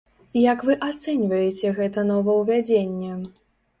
Як вы ацэньваеце гэта новаўвядзенне?